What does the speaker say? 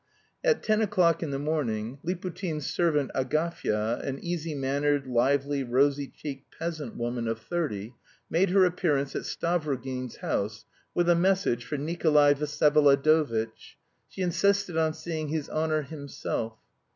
At ten o'clock in the morning Liputin's servant Agafya, an easy mannered, lively, rosy cheeked peasant woman of thirty, made her appearance at Stavrogin's house, with a message for Nikolay Vsyevolodovitch. She insisted on seeing "his honour himself."